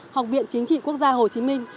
học viện chính trị quốc gia hồ chí minh